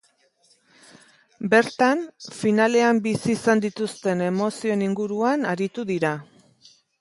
Bertan, finalean bizi izan dituzten emozioen inguruan aritu dira.